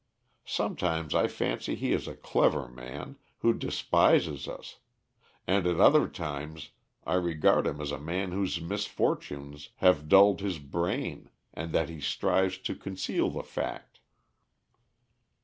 Sometimes I fancy he is a clever man, who despises us, and at other times I regard him as a man whose misfortunes have dulled his brain and that he strives to conceal the fact."